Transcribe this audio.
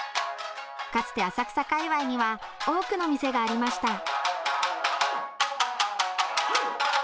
かつて浅草界隈には多くの店がありました。